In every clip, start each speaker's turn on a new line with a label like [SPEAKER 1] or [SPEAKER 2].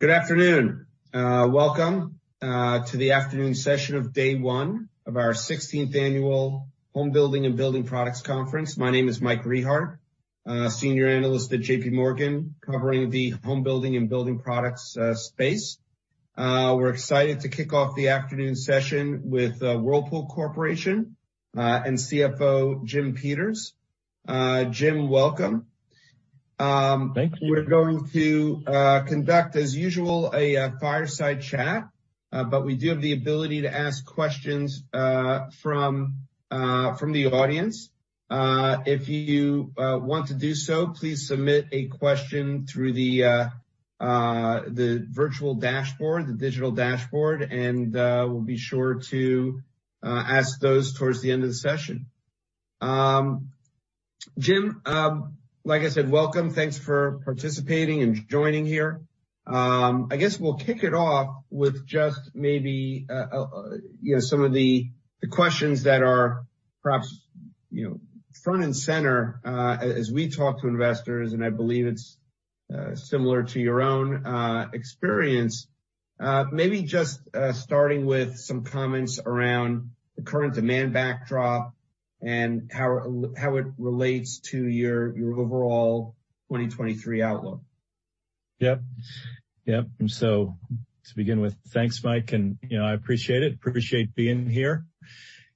[SPEAKER 1] Good afternoon. Welcome to the afternoon session of day one of our sixteenth annual Homebuilding & Building Products Conference. My name is Michael Rehaut, Senior Analyst at JP Morgan, covering the home building and building products space. We're excited to kick off the afternoon session with Whirlpool Corporation and CFO Jim Peters. Jim, welcome.
[SPEAKER 2] Thank you.
[SPEAKER 1] We're going to conduct as usual, a fireside chat, but we do have the ability to ask questions from the audience. If you want to do so, please submit a question through the virtual dashboard, the digital dashboard, we'll be sure to ask those towards the end of the session. Jim, like I said, welcome. Thanks for participating and joining here. I guess we'll kick it off with just maybe, you know, some of the questions that are perhaps, you know, front and center as we talk to investors, I believe it's similar to your own experience. Maybe just starting with some comments around the current demand backdrop and how it relates to your overall 2023 outlook.
[SPEAKER 2] Yep. Yep. To begin with, thanks, Mike, and, you know, I appreciate it, appreciate being here.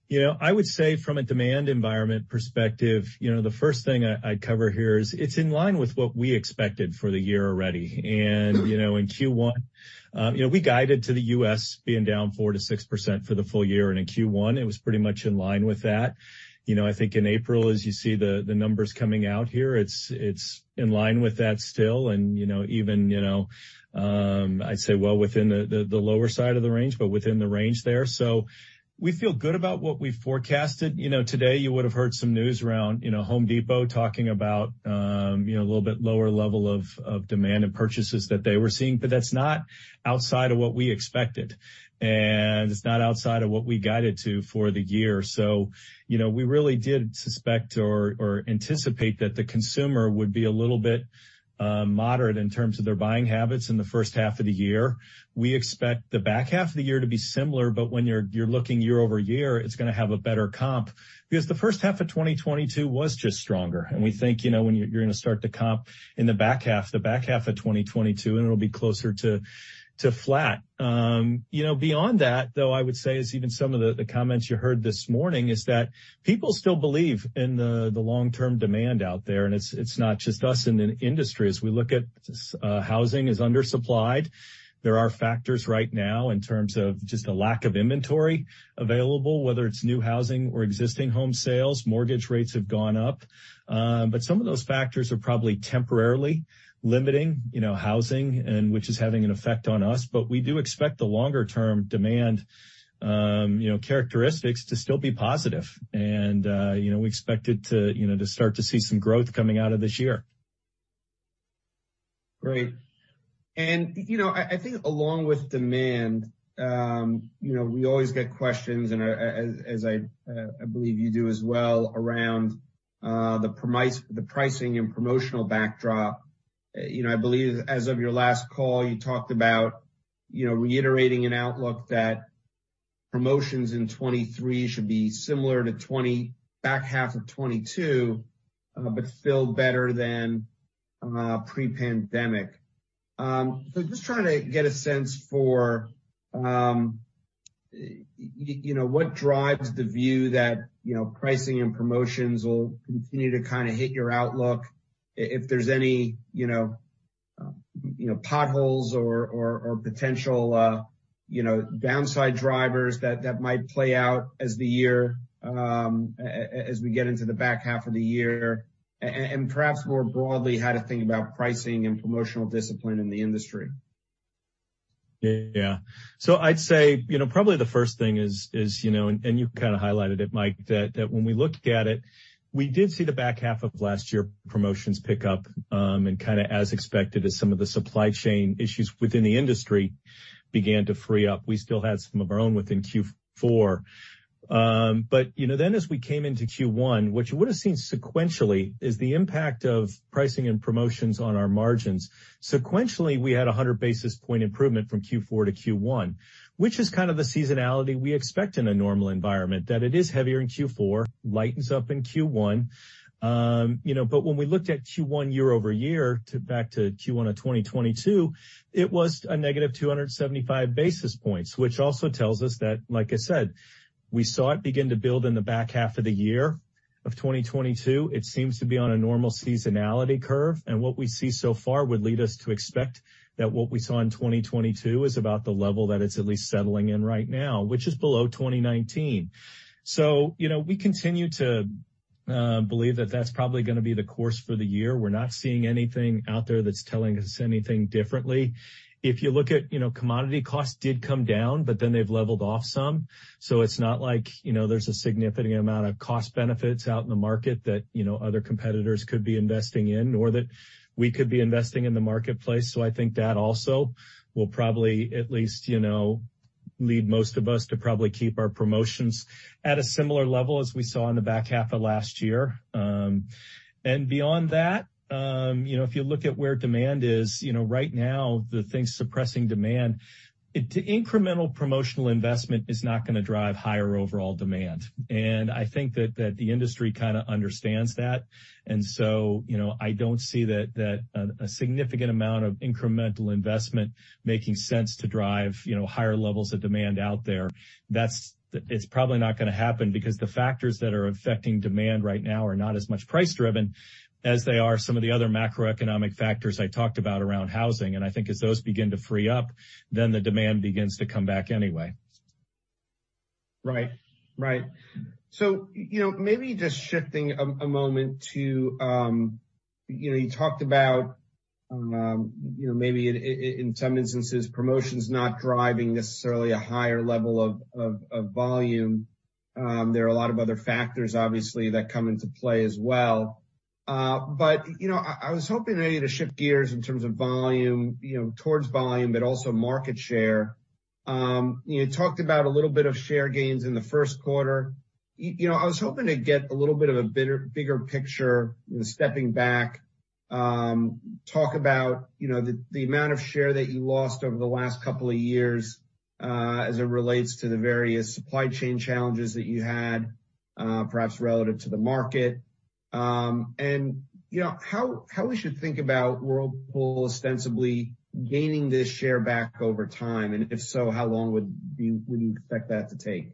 [SPEAKER 2] You know, I would say from a demand environment perspective, you know, the first thing I'd cover here is it's in line with what we expected for the year already. In Q1, you know, we guided to the U.S. being down 4%-6% for the full year, and in Q1, it was pretty much in line with that. You know, I think in April, as you see the numbers coming out here, it's in line with that still. You know, even, you know, I'd say well within the, the lower side of the range, but within the range there. We feel good about what we forecasted. You know, today you would've heard some news around, you know, Home Depot talking about, you know, a little bit lower level of demand and purchases that they were seeing, but that's not outside of what we expected, and it's not outside of what we guided to for the year. You know, we really did suspect or anticipate that the consumer would be a little bit moderate in terms of their buying habits in the first half of the year. We expect the back half of the year to be similar, but when you're looking year-over-year, it's gonna have a better comp because the first half of 2022 was just stronger. We think, you know, when you're gonna start to comp in the back half, the back half of 2022, and it'll be closer to flat. You know, beyond that though, I would say is even some of the comments you heard this morning is that people still believe in the long-term demand out there, and it's not just us in the industry. As we look at housing is under supplied. There are factors right now in terms of just a lack of inventory available, whether it's new housing or existing home sales. Mortgage rates have gone up. Some of those factors are probably temporarily limiting, you know, housing and which is having an effect on us. We do expect the longer term demand, you know, characteristics to still be positive. You know, we expect it to, you know, to start to see some growth coming out of this year.
[SPEAKER 1] Great. You know, I think along with demand, you know, we always get questions and, as I believe you do as well around, the pricing and promotional backdrop. You know, I believe as of your last call, you talked about, you know, reiterating an outlook that promotions in 2023 should be similar to back half of 2022, but still better than, pre-pandemic. Just trying to get a sense for, you know, what drives the view that, you know, pricing and promotions will continue to kinda hit your outlook, if there's any, you know, you know, potholes or potential, you know, downside drivers that might play out as the year, as we get into the back half of the year, and perhaps more broadly, how to think about pricing and promotional discipline in the industry.
[SPEAKER 2] I'd say, you know, probably the first thing is, you know, and you kinda highlighted it, Mike, when we looked at it, we did see the back half of last year promotions pick up, and kinda as expected as some of the supply chain issues within the industry began to free up. We still had some of our own within Q4. You know, then as we came into Q1, what you would've seen sequentially is the impact of pricing and promotions on our margins. Sequentially, we had a 100 basis point improvement from Q4 to Q1, which is kind of the seasonality we expect in a normal environment, that it is heavier in Q4, lightens up in Q1. You know, when we looked at Q1 year-over-year to back to Q1 of 2022, it was a negative 275 basis points, which also tells us that, like I said, we saw it begin to build in the back half of the year of 2022. It seems to be on a normal seasonality curve, and what we see so far would lead us to expect that what we saw in 2022 is about the level that it's at least settling in right now, which is below 2019. You know, we continue to believe that that's probably gonna be the course for the year. We're not seeing anything out there that's telling us anything differently. If you look at, you know, commodity costs did come down, but then they've leveled off some, so it's not like, you know, there's a significant amount of cost benefits out in the market that, you know, other competitors could be investing in or that we could be investing in the marketplace. I think that also will probably at least, you know, lead most of us to probably keep our promotions at a similar level as we saw in the back half of last year. Beyond that, you know, if you look at where demand is, you know, right now the thing suppressing demand, incremental promotional investment is not gonna drive higher overall demand. I think that the industry kinda understands that. You know, I don't see that a significant amount of incremental investment making sense to drive, you know, higher levels of demand out there. It's probably not gonna happen because the factors that are affecting demand right now are not as much price-driven as they are some of the other macroeconomic factors I talked about around housing. I think as those begin to free up, then the demand begins to come back anyway.
[SPEAKER 1] Right. Right. you know, maybe just shifting a moment to, you know, you talked about, you know, maybe in some instances, promotion's not driving necessarily a higher level of, of volume. There are a lot of other factors obviously that come into play as well. you know, I was hoping maybe to shift gears in terms of volume, you know, towards volume, but also market share. you know, you talked about a little bit of share gains in Q1. you know, I was hoping to get a little bit of a bigger picture, you know, stepping back, talk about, you know, the amount of share that you lost over the last couple of years, as it relates to the various supply chain challenges that you had, perhaps relative to the market. you know, how we should think about Whirlpool ostensibly gaining this share back over time, and if so, how long would you expect that to take?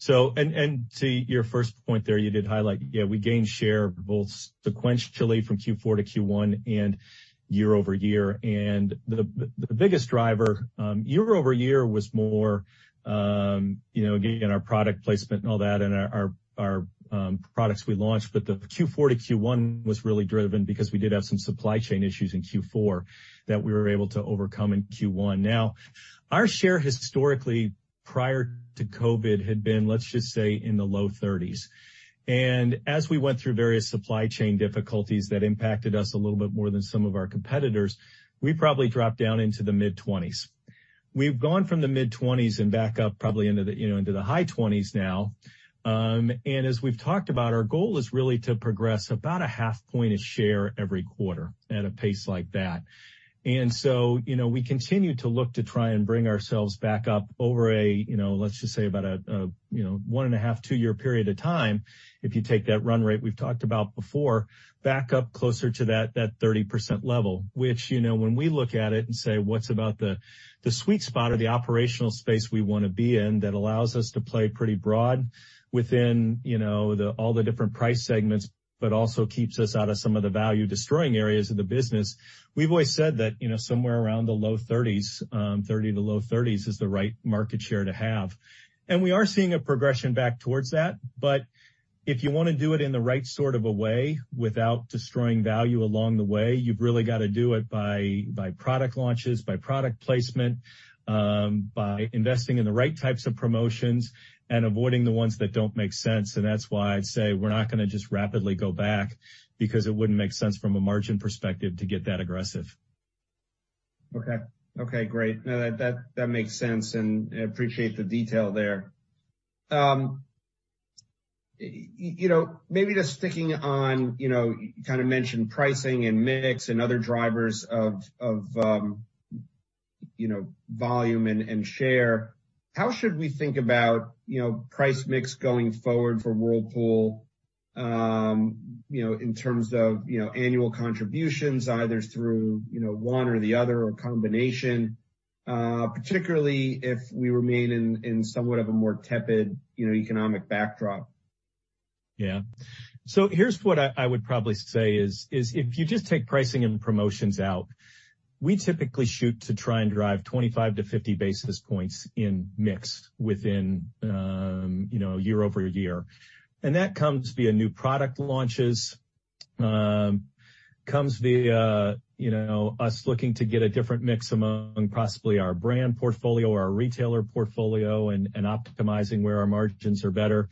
[SPEAKER 2] To your first point there, you did highlight, yeah, we gained share both sequentially from Q4 to Q1 and year-over-year. The, the biggest driver year-over-year was more, you know, again, our product placement and all that and our products we launched. The Q4 to Q1 was really driven because we did have some supply chain issues in Q4 that we were able to overcome in Q1. Our share historically prior to COVID had been, let's just say, in the low 30s. As we went through various supply chain difficulties that impacted us a little bit more than some of our competitors, we probably dropped down into the mid-20s. We've gone from the mid-20s and back up probably into the, you know, into the high 20s now. As we've talked about, our goal is really to progress about a half point a share every quarter at a pace like that. We continue to look to try and bring ourselves back up over a 1.5-2 year period of time, if you take that run rate we've talked about before, back up closer to that 30% level. You know, when we look at it and say, what's about the sweet spot or the operational space we wanna be in that allows us to play pretty broad within, you know, the, all the different price segments, but also keeps us out of some of the value-destroying areas of the business, we've always said that, you know, somewhere around the low 30s, 30 to low 30s is the right market share to have. We are seeing a progression back towards that, but if you wanna do it in the right sort of a way without destroying value along the way, you've really gotta do it by product launches, by product placement, by investing in the right types of promotions and avoiding the ones that don't make sense. That's why I'd say we're not gonna just rapidly go back because it wouldn't make sense from a margin perspective to get that aggressive.
[SPEAKER 1] Okay, great. No, that makes sense, and I appreciate the detail there. You know, maybe just sticking on, you know, you kinda mentioned pricing and mix and other drivers of, you know, volume and share. How should we think about, you know, price mix going forward for Whirlpool, you know, in terms of annual contributions, either through, you know, one or the other or combination, particularly if we remain in somewhat of a more tepid, you know, economic backdrop?
[SPEAKER 2] Here's what I would probably say is if you just take pricing and promotions out, we typically shoot to try and drive 25-50 basis points in mix within, you know, year-over-year. That comes via new product launches, comes via, you know, us looking to get a different mix among possibly our brand portfolio or our retailer portfolio and optimizing where our margins are better.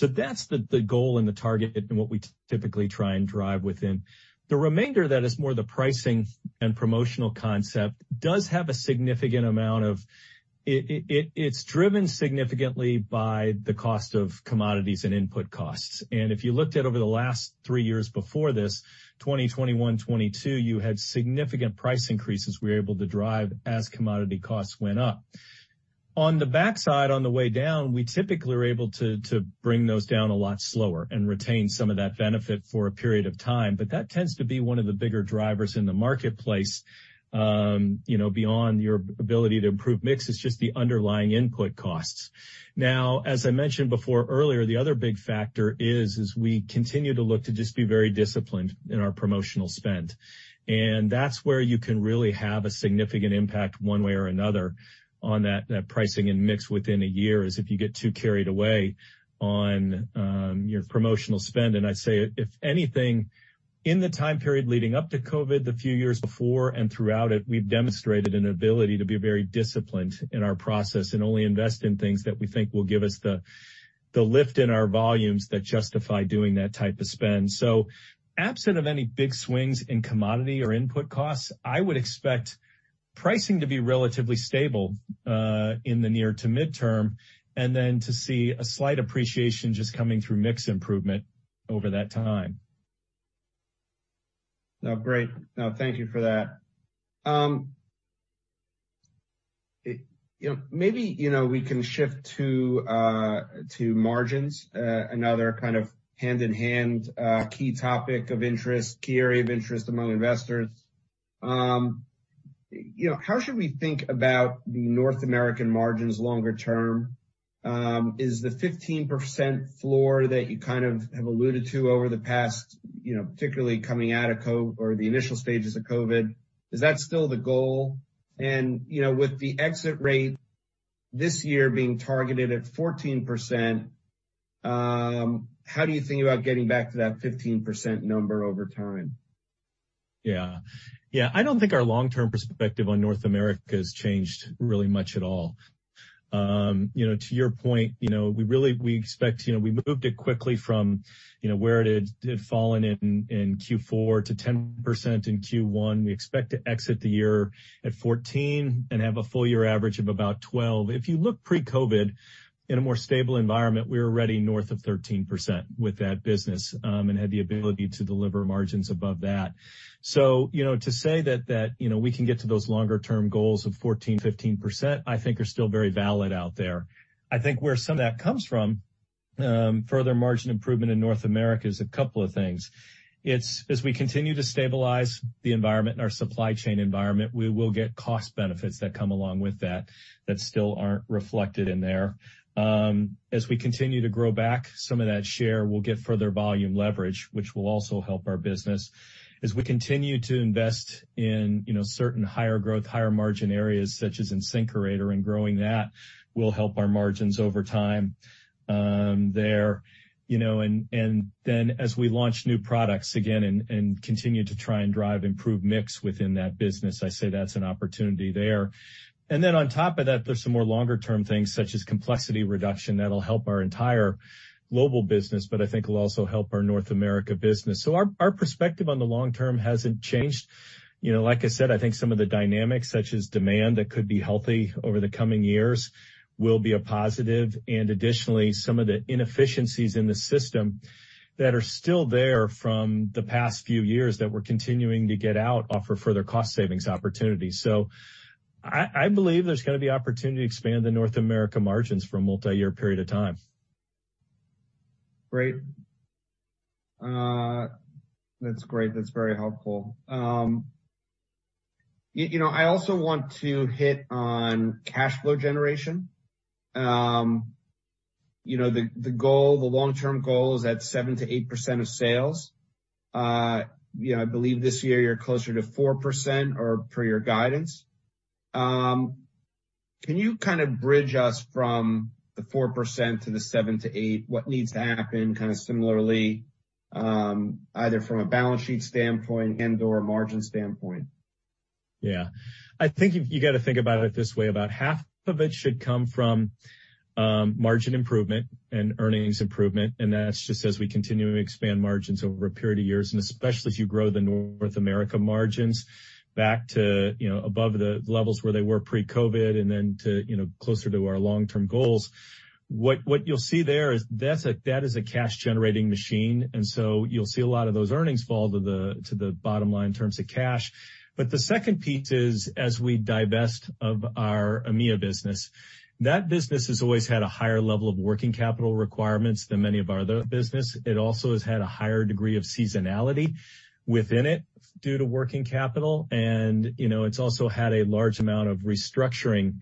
[SPEAKER 2] That's the goal and the target and what we typically try and drive within. The remainder that is more the pricing and promotional concept does have a significant amount of... It's driven significantly by the cost of commodities and input costs. If you looked at over the last three years before this, 20, 21, 22, you had significant price increases we were able to drive as commodity costs went up. On the backside, on the way down, we typically are able to bring those down a lot slower and retain some of that benefit for a period of time, but that tends to be one of the bigger drivers in the marketplace, you know, beyond your ability to improve mix, is just the underlying input costs. As I mentioned before earlier, the other big factor is we continue to look to just be very disciplined in our promotional spend. That's where you can really have a significant impact one way or another on that pricing and mix within a year, is if you get too carried away on your promotional spend. I'd say if anything, in the time period leading up to COVID, the few years before and throughout it, we've demonstrated an ability to be very disciplined in our process and only invest in things that we think will give us the lift in our volumes that justify doing that type of spend. Absent of any big swings in commodity or input costs, I would expect pricing to be relatively stable in the near to midterm, and then to see a slight appreciation just coming through mix improvement over that time.
[SPEAKER 1] Now, great. Now thank you for that. you know, maybe, you know, we can shift to margins, another kind of hand-in-hand, key topic of interest, key area of interest among investors. you know, how should we think about the North American margins longer term? Is the 15% floor that you kind of have alluded to over the past, you know, particularly coming out of COVID or the initial stages of COVID, is that still the goal? you know, with the exit rate this year being targeted at 14%, how do you think about getting back to that 15% number over time?
[SPEAKER 2] Yeah. Yeah. I don't think our long-term perspective on North America has changed really much at all. you know, to your point, we expect, we moved it quickly from, you know, where it had fallen in Q4 to 10% in Q1. We expect to exit the year at 14 and have a full year average of about 12. If you look pre-COVID in a more stable environment, we were already north of 13% with that business and had the ability to deliver margins above that. you know, to say that, you know, we can get to those longer-term goals of 14%, 15%, I think are still very valid out there. I think where some of that comes from, further margin improvement in North America is a couple of things. It's as we continue to stabilize the environment and our supply chain environment, we will get cost benefits that come along with that still aren't reflected in there. As we continue to grow back, some of that share will get further volume leverage, which will also help our business. As we continue to invest in, you know, certain higher growth, higher margin areas such as InSinkErator and growing that will help our margins over time, there. You know, as we launch new products again and continue to try and drive improved mix within that business, I say that's an opportunity there. On top of that, there's some more longer-term things such as complexity reduction that'll help our entire global business, but I think will also help our North America business. Our, our perspective on the long term hasn't changed. You know, like I said, I think some of the dynamics, such as demand that could be healthy over the coming years, will be a positive. Additionally, some of the inefficiencies in the system that are still there from the past few years that we're continuing to get out offer further cost savings opportunities. I believe there's gonna be opportunity to expand the North America margins for a multi-year period of time.
[SPEAKER 1] Great. That's great. That's very helpful. You know, I also want to hit on cash flow generation. You know, the goal, the long-term goal is at 7%-8% of sales. You know, I believe this year you're closer to 4% or per your guidance. Can you kind of bridge us from the 4% to the 7%-8%? What needs to happen kind of similarly, either from a balance sheet standpoint and/or a margin standpoint?
[SPEAKER 2] Yeah. I think you gotta think about it this way. About half of it should come from margin improvement and earnings improvement. That's just as we continue to expand margins over a period of years, especially as you grow the North America margins back to, you know, above the levels where they were pre-COVID and then to, you know, closer to our long-term goals. What you'll see there is that is a cash-generating machine, you'll see a lot of those earnings fall to the bottom line in terms of cash. The second piece is, as we divest of our EMEA business, that business has always had a higher level of working capital requirements than many of our other business. It also has had a higher degree of seasonality within it due to working capital. You know, it's also had a large amount of restructuring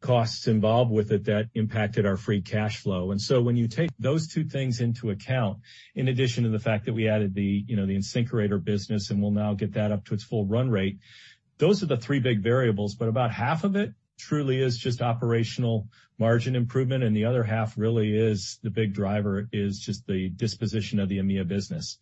[SPEAKER 2] costs involved with it that impacted our free cash flow. When you take those two things into account, in addition to the fact that we added the, you know, the InSinkErator business, and we'll now get that up to its full run rate, those are the three big variables. About half of it truly is just operational margin improvement, and the other half really is the big driver is just the disposition of the EMEA business.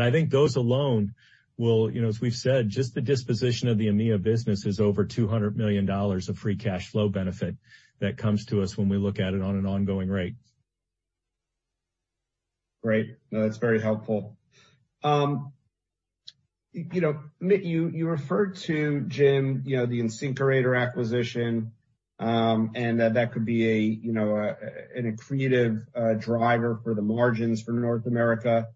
[SPEAKER 2] I think those alone will, you know, as we've said, just the disposition of the EMEA business is over $200 million of free cash flow benefit that comes to us when we look at it on an ongoing rate.
[SPEAKER 1] Great. No, that's very helpful. You know, uncertain, you referred to Jim, you know, the InSinkErator acquisition, and that could be, you know, an accretive driver for the margins for North America.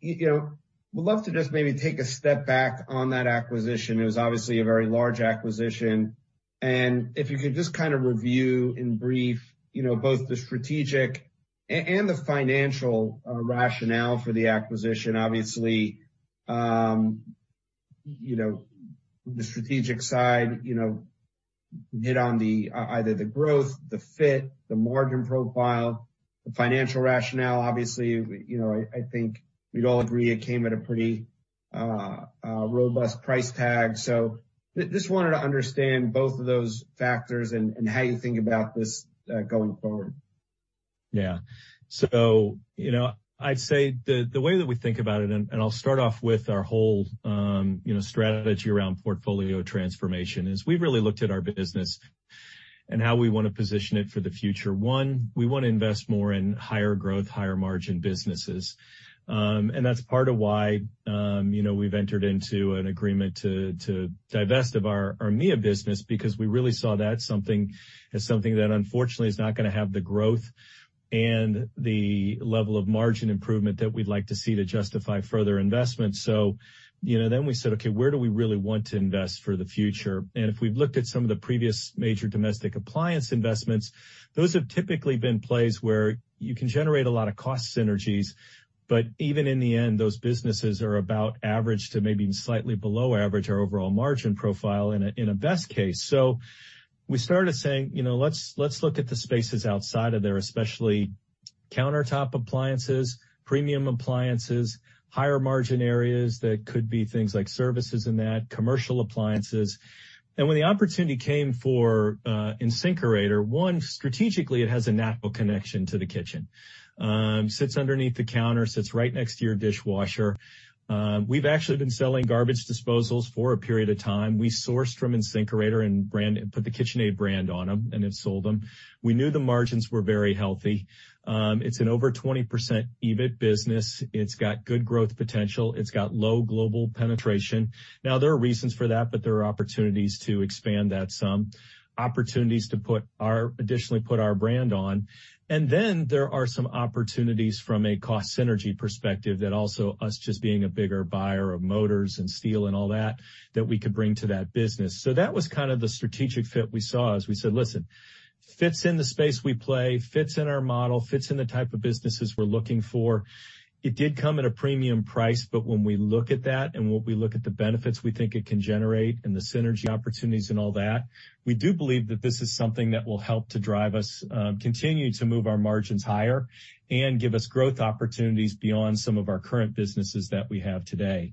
[SPEAKER 1] You know, would love to just maybe take a step back on that acquisition. It was obviously a very large acquisition, and if you could just kind of review in brief, you know, both the strategic and the financial rationale for the acquisition. Obviously, you know, the strategic side, you know, hit on either the growth, the fit, the margin profile. The financial rationale, obviously, you know, I think we'd all agree it came at a pretty robust price tag. Just wanted to understand both of those factors and how you think about this going forward.
[SPEAKER 2] Yeah. You know, I'd say the way that we think about it, and I'll start off with our whole, you know, strategy around portfolio transformation, is we've really looked at our business and how we wanna position it for the future. One, we wanna invest more in higher growth, higher margin businesses. That's part of why, you know, we've entered into an agreement to divest of our EMEA business because we really saw that as something that unfortunately is not gonna have the growth and the level of margin improvement that we'd like to see to justify further investment. You know, then we said, "Okay, where do we really want to invest for the future?" If we've looked at some of the previous major domestic appliance investments, those have typically been plays where you can generate a lot of cost synergies, but even in the end, those businesses are about average to maybe slightly below average, our overall margin profile in a best case. We started saying, "You know, let's look at the spaces outside of there, especially countertop appliances, premium appliances, higher margin areas that could be things like services in that, commercial appliances." When the opportunity came for InSinkErator, one, strategically, it has a natural connection to the kitchen. Sits underneath the counter, sits right next to your dishwasher. We've actually been selling garbage disposals for a period of time. We sourced from InSinkErator and put the KitchenAid brand on them and then sold them. We knew the margins were very healthy. It's an over 20% EBIT business. It's got good growth potential. It's got low global penetration. There are reasons for that, but there are opportunities to expand that some. Opportunities to additionally put our brand on. Then there are some opportunities from a cost synergy perspective that also us just being a bigger buyer of motors and steel and all that we could bring to that business. That was kind of the strategic fit we saw as we said, "Listen, fits in the space we play, fits in our model, fits in the type of businesses we're looking for." It did come at a premium price, but when we look at that and when we look at the benefits we think it can generate and the synergy opportunities and all that, we do believe that this is something that will help to drive us, continue to move our margins higher and give us growth opportunities beyond some of our current businesses that we have today.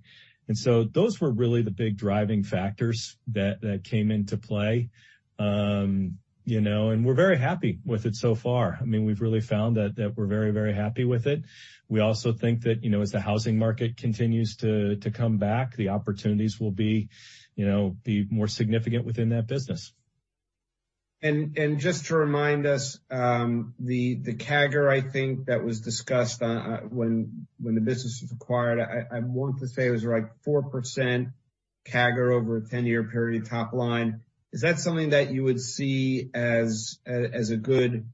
[SPEAKER 2] Those were really the big driving factors that came into play, you know, and we're very happy with it so far. I mean, we've really found that we're very happy with it. We also think that, you know, as the housing market continues to come back, the opportunities will be, you know, more significant within that business.
[SPEAKER 1] Just to remind us, the CAGR, I think, that was discussed when the business was acquired, I want to say it was like 4% CAGR over a 10-year period top line. Is that something that you would see as a good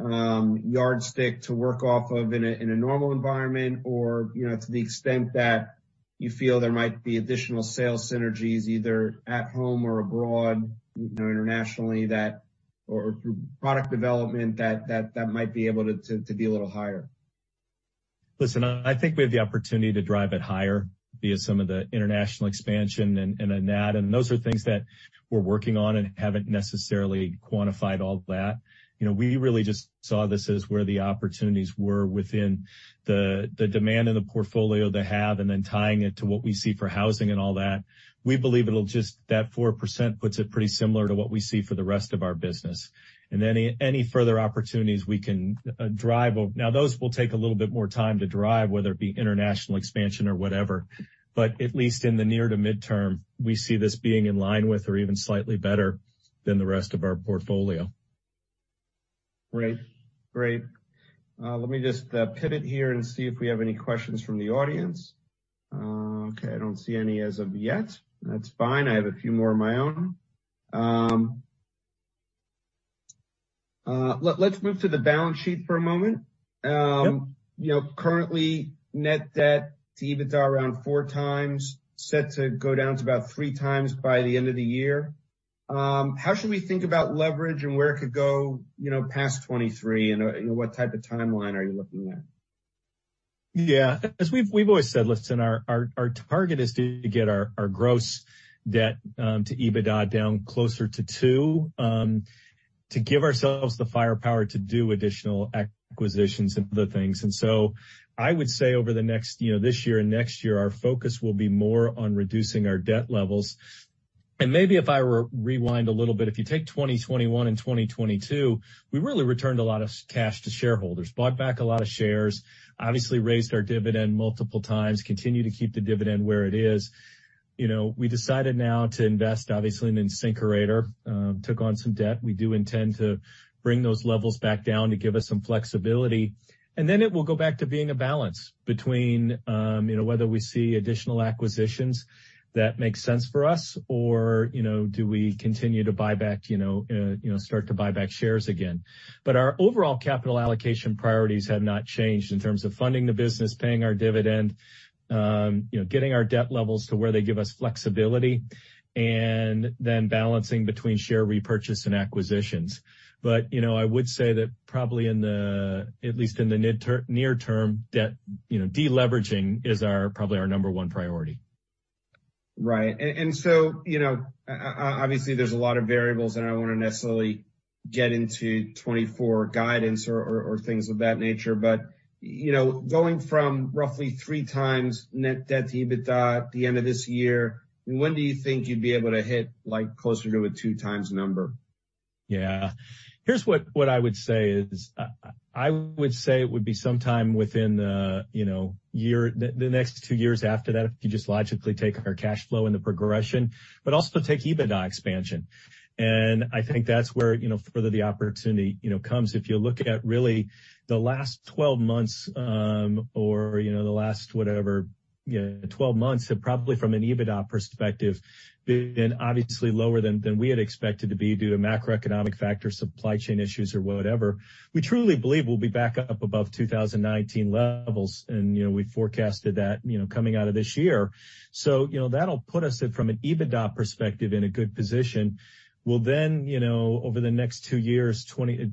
[SPEAKER 1] yardstick to work off of in a normal environment? Or, you know, to the extent that you feel there might be additional sales synergies either at home or abroad, you know, internationally that or through product development that might be able to be a little higher?
[SPEAKER 2] Listen, I think we have the opportunity to drive it higher via some of the international expansion and in that, those are things that we're working on and haven't necessarily quantified all of that. You know, we really just saw this as where the opportunities were within the demand in the portfolio they have, and then tying it to what we see for housing and all that. We believe it'll just that 4% puts it pretty similar to what we see for the rest of our business. Any further opportunities we can drive, now those will take a little bit more time to drive, whether it be international expansion or whatever. At least in the near to midterm, we see this being in line with or even slightly better than the rest of our portfolio.
[SPEAKER 1] Great. Great. let me just pivot here and see if we have any questions from the audience. Okay, I don't see any as of yet. That's fine. I have a few more of my own. let's move to the balance sheet for a moment.
[SPEAKER 2] Yep.
[SPEAKER 1] You know, currently net debt to EBITDA around four times, set to go down to about three times by the end of the year. How should we think about leverage and where it could go, you know, past 2023 and, you know, what type of timeline are you looking at?
[SPEAKER 2] Yeah. As we've always said, listen, our target is to get our gross debt to EBITDA down closer to two to give ourselves the firepower to do additional acquisitions and other things. I would say over the next, you know, this year and next year, our focus will be more on reducing our debt levels. Maybe if I rewind a little bit, if you take 2021 and 2022, we really returned a lot of cash to shareholders, bought back a lot of shares, obviously raised our dividend multiple times, continue to keep the dividend where it is. You know, we decided now to invest, obviously, in InSinkErator, took on some debt. We do intend to bring those levels back down to give us some flexibility. It will go back to being a balance between, you know, whether we see additional acquisitions that make sense for us or, you know, do we continue to buy back, you know, you know, start to buy back shares again. Our overall capital allocation priorities have not changed in terms of funding the business, paying our dividend, you know, getting our debt levels to where they give us flexibility, and then balancing between share repurchase and acquisitions. You know, I would say that probably in the, at least in the near term, debt, you know, deleveraging is our, probably our number one priority.
[SPEAKER 1] Right. you know, obviously, there's a lot of variables, and I don't wanna necessarily get into 2024 guidance or things of that nature. you know, going from roughly 3 times net debt to EBITDA at the end of this year, when do you think you'd be able to hit, like, closer to a 2 times number?
[SPEAKER 2] Yeah. Here's what I would say is, I would say it would be sometime within the, you know, the next two years after that, if you just logically take our cash flow and the progression, but also take EBITDA expansion. I think that's where, you know, further the opportunity, you know, comes. If you look at really the last 12 months, or, you know, the last whatever, yeah, 12 months have probably from an EBITDA perspective been obviously lower than we had expected to be due to macroeconomic factors, supply chain issues or whatever. We truly believe we'll be back up above 2019 levels. We forecasted that, you know, coming out of this year. That'll put us from an EBITDA perspective in a good position. We'll then, you know, over the next two years,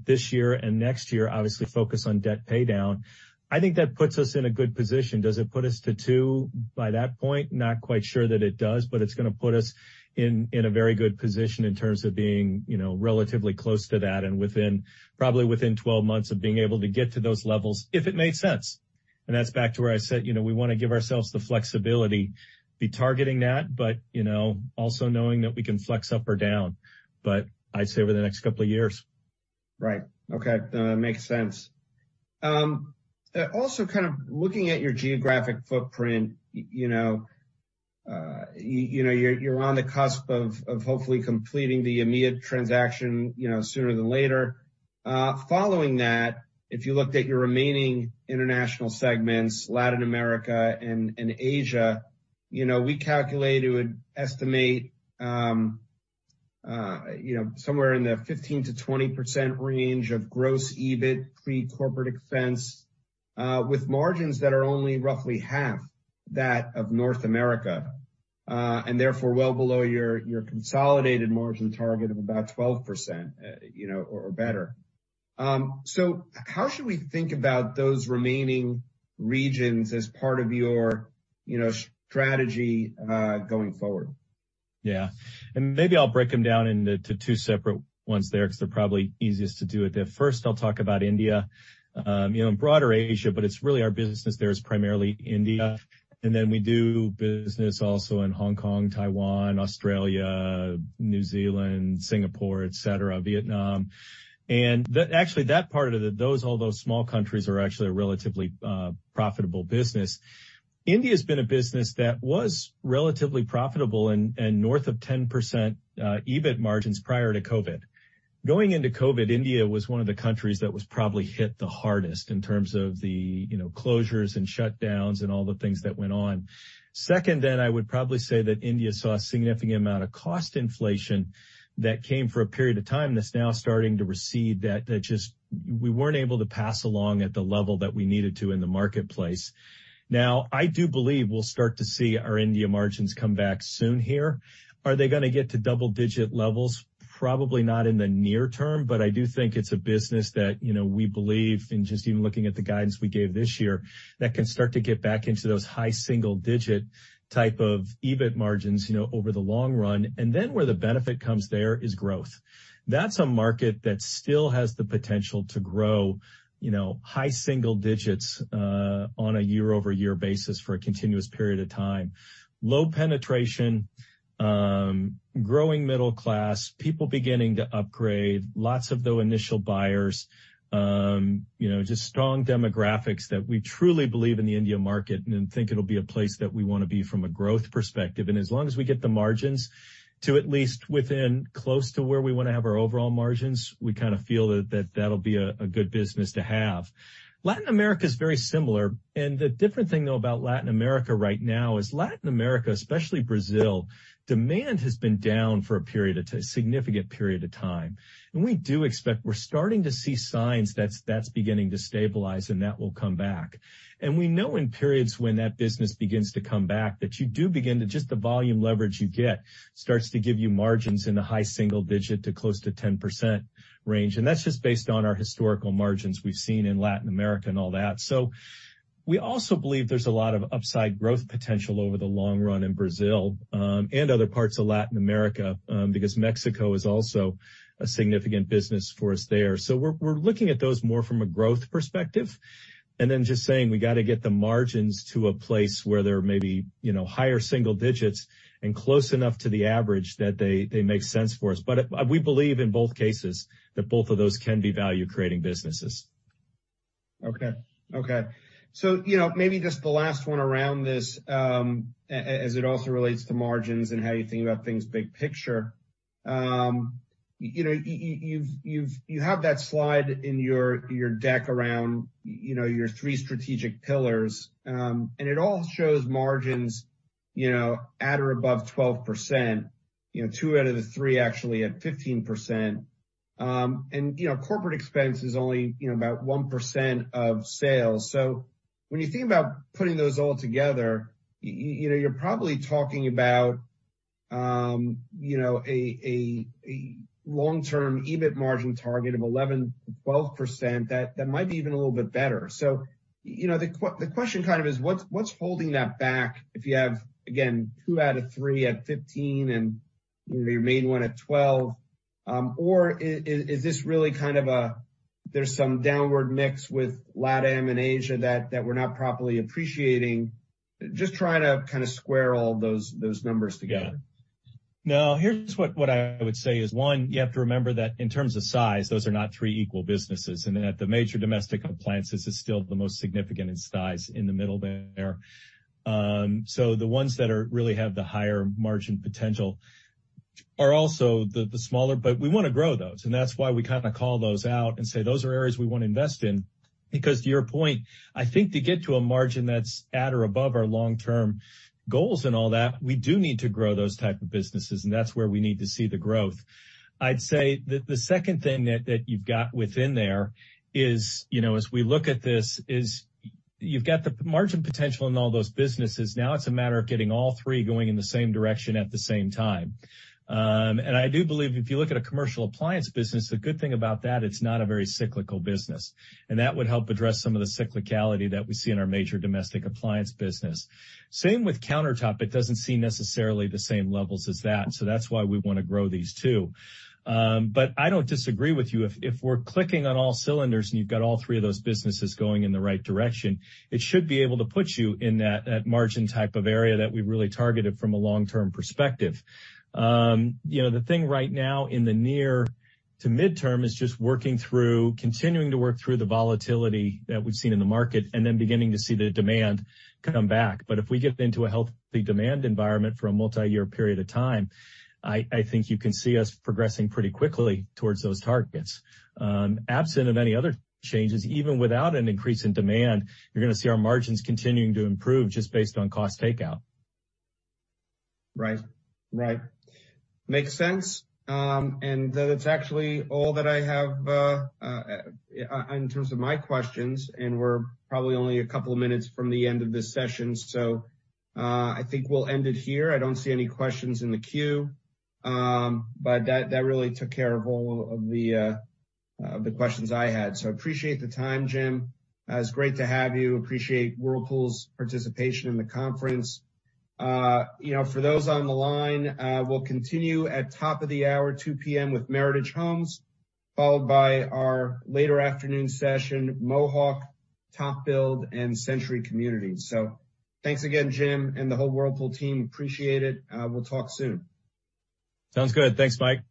[SPEAKER 2] this year and next year, obviously focus on debt paydown. I think that puts us in a good position. Does it put us to two by that point? Not quite sure that it does, but it's gonna put us in a very good position in terms of being, you know, relatively close to that and probably within 12 months of being able to get to those levels if it makes sense. That's back to where I said, you know, we wanna give ourselves the flexibility to be targeting that, but, you know, also knowing that we can flex up or down. I'd say over the next couple of years.
[SPEAKER 1] Right. Okay. Makes sense. Also kind of looking at your geographic footprint, you know, you're on the cusp of hopefully completing the EMEA transaction, you know, sooner than later. Following that, if you looked at your remaining international segments, Latin America and Asia, we calculate it would estimate somewhere in the 15%-20% range of gross EBIT pre-corporate expense, with margins that are only roughly half that of North America. Therefore well below your consolidated margin target of about 12% or better. How should we think about those remaining regions as part of your strategy going forward?
[SPEAKER 2] Yeah. Maybe I'll break them down into two separate ones there because they're probably easiest to do it there. First, I'll talk about India, you know, and broader Asia, but it's really our business there is primarily India. Then we do business also in Hong Kong, Taiwan, Australia, New Zealand, Singapore, et cetera, Vietnam. Actually that part of it, all those small countries are actually a relatively profitable business. India's been a business that was relatively profitable and north of 10% EBIT margins prior to COVID. Going into COVID, India was one of the countries that was probably hit the hardest in terms of the, you know, closures and shutdowns and all the things that went on. Second, then I would probably say that India saw a significant amount of cost inflation that came for a period of time that's now starting to recede, that just we weren't able to pass along at the level that we needed to in the marketplace. I do believe we'll start to see our India margins come back soon here. Are they gonna get to double-digit levels? Probably not in the near term, but I do think it's a business that, you know, we believe, and just even looking at the guidance we gave this year, that can start to get back into those high-single-digit type of EBIT margins, you know, over the long run. Where the benefit comes there is growth. That's a market that still has the potential to grow, you know, high single digits on a year-over-year basis for a continuous period of time. Low penetration, growing middle class, people beginning to upgrade, lots of though initial buyers, you know, just strong demographics that we truly believe in the India market and think it'll be a place that we wanna be from a growth perspective. As long as we get the margins to at least within close to where we wanna have our overall margins, we kinda feel that that'll be a good business to have. Latin America is very similar. The different thing, though, about Latin America right now is Latin America, especially Brazil, demand has been down for a significant period of time. We do expect we're starting to see signs that's beginning to stabilize and that will come back. We know in periods when that business begins to come back that you do begin to just the volume leverage you get starts to give you margins in the high single-digit to close to 10% range. That's just based on our historical margins we've seen in Latin America and all that. We also believe there's a lot of upside growth potential over the long run in Brazil, and other parts of Latin America, because Mexico is also a significant business for us there. We're looking at those more from a growth perspective and just saying we gotta get the margins to a place where they're maybe, you know, higher single digits and close enough to the average that they make sense for us. We believe in both cases that both of those can be value creating businesses.
[SPEAKER 1] Okay. Okay. You know, maybe just the last one around this, as it also relates to margins and how you think about things big picture. You know, you have that slide in your deck around, you know, your three strategic pillars. It all shows margins, you know, at or above 12%. You know, two out of the three actually at 15%. You know, corporate expense is only, you know, about 1% of sales. When you think about putting those all together, you know, you're probably talking about, you know, a long-term EBIT margin target of 11%-12% that might be even a little bit better. You know, the question kind of is what's holding that back if you have, again, two out of three at 15 and your main one at 12? Is this really kind of a. There's some downward mix with LatAm and Asia that we're not properly appreciating. Just trying to kind of square all those numbers together.
[SPEAKER 2] No, here's what I would say is, one, you have to remember that in terms of size, those are not three equal businesses. At the major domestic appliances is still the most significant in size in the middle there. The ones that are really have the higher margin potential are also the smaller, but we wanna grow those. That's why we kind of call those out and say, those are areas we wanna invest in. To your point, I think to get to a margin that's at or above our long-term goals and all that, we do need to grow those type of businesses, and that's where we need to see the growth. I'd say the second thing that you've got within there is, you know, as we look at this is you've got the margin potential in all those businesses. Now it's a matter of getting all three going in the same direction at the same time. I do believe if you look at a commercial appliance business, the good thing about that, it's not a very cyclical business, and that would help address some of the cyclicality that we see in our major domestic appliance business. Same with countertop. It doesn't see necessarily the same levels as that's why we wanna grow these two. I don't disagree with you. If, if we're clicking on all cylinders and you've got all three of those businesses going in the right direction, it should be able to put you in that margin type of area that we really targeted from a long-term perspective. You know, the thing right now in the near to midterm is just working through continuing to work through the volatility that we've seen in the market and then beginning to see the demand come back. If we get into a healthy demand environment for a multi-year period of time, I think you can see us progressing pretty quickly towards those targets. Absent of any other changes, even without an increase in demand, you're gonna see our margins continuing to improve just based on cost takeout.
[SPEAKER 1] Right. Right. Makes sense. That's actually all that I have in terms of my questions, we're probably only a couple of minutes from the end of this session, I think we'll end it here. I don't see any questions in the queue. That really took care of all of the questions I had. Appreciate the time, Jim. It's great to have you. Appreciate Whirlpool's participation in the conference. You know, for those on the line, we'll continue at top of the hour, 2:00 P.M. with Meritage Homes, followed by our later afternoon session, Mohawk, TopBuild, and Century Communities. Thanks again, Jim and the whole Whirlpool team. Appreciate it. We'll talk soon.
[SPEAKER 2] Sounds good. Thanks, Mike.